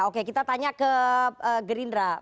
oke kita tanya ke gerindra